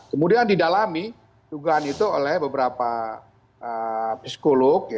kemudian didalami dugaan itu oleh beberapa psikolog